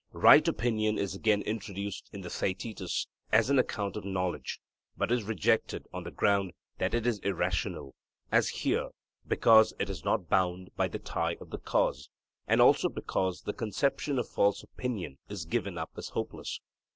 Right opinion is again introduced in the Theaetetus as an account of knowledge, but is rejected on the ground that it is irrational (as here, because it is not bound by the tie of the cause), and also because the conception of false opinion is given up as hopeless.